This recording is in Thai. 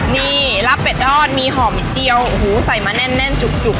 นี่ราบเป็ดทอดมีหอมมีเจียวฮู้ใส่มาแน่นแน่นจุดจุด